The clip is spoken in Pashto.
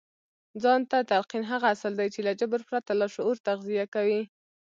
ځان ته تلقين هغه اصل دی چې له جبر پرته لاشعور تغذيه کوي.